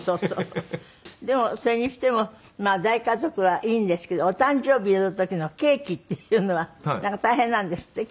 でもそれにしても大家族はいいんですけどお誕生日の時のケーキっていうのは大変なんですって？